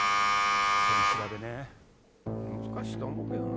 難しいと思うけどな。